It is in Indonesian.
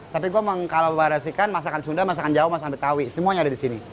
tapi gue kalau memahami rasikan masakan sunda masakan jawa masakan betawi semuanya ada disini